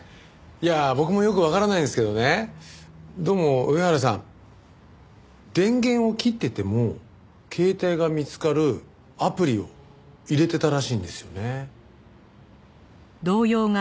いや僕もよくわからないんですけどねどうも上原さん電源を切ってても携帯が見つかるアプリを入れてたらしいんですよね。